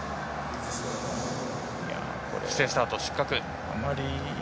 不正スタート、失格。